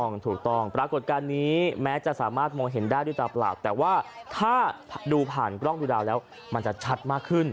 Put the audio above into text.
ถูกต้องถูกต้องปรากฏการณ์นี้แม้จะสามารถมองเห็นได้ด้วยตาเปล่าแต่ว่าถ้าดูผ่านกล้องดูดาวแล้วมันจะชัดมากขึ้น